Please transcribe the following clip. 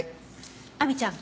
亜美ちゃん